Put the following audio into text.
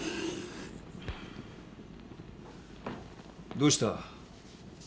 どうした？